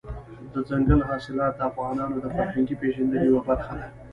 دځنګل حاصلات د افغانانو د فرهنګي پیژندنې یوه برخه ده.